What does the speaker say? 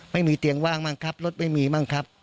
ไม่มีเตียงว่างบ้างครับรถไม่มีบ้างครับ